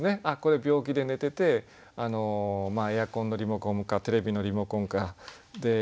あっこれ病気で寝ててエアコンのリモコンかテレビのリモコンか。